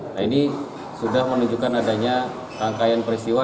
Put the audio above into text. nah ini sudah menunjukkan adanya rangkaian peristiwa